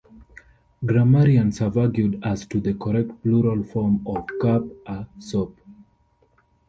Grammarians have argued as to the correct plural form of Cup-a-Soup.